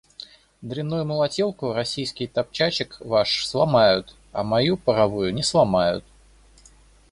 Дрянную молотилку, российский топчачек ваш, сломают, а мою паровую не сломают.